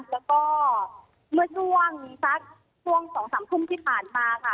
แล้วก็เมื่อช่วงสักช่วง๒๓ทุ่มที่ผ่านมาค่ะ